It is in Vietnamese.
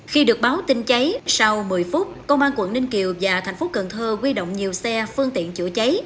khi được báo tin cháy sau một mươi phút công an quận ninh kiều và thành phố cần thơ quy động nhiều xe phương tiện chữa cháy